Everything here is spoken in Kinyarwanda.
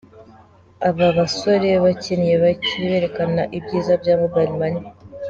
Aba basore bakinnye berekana ibyiza bya Mobile Money.